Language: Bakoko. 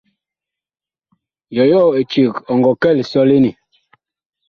Yɔyɔɔ eceg ɔ ngɔ kɛ lisɔlene ?